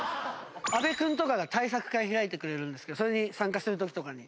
阿部君とかが対策会開いてくれるんですけどそれに参加する時とかに。